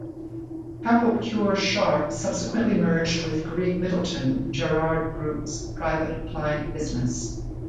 Capel-Cure Sharp subsequently merged with Greig Middleton, Gerrard Group's private client business.